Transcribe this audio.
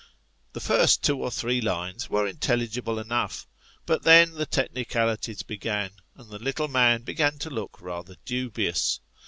The first two or three lines were intelligible enough ; but then the technicalities began, and the little man began to look rather dubious.